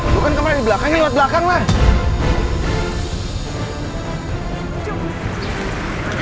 lo kan kemarin di belakangnya lewat belakang lah